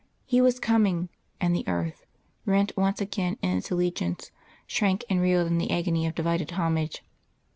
He was coming, and the earth, rent once again in its allegiance, shrank and reeled in the agony of divided homage....